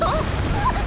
うわっ！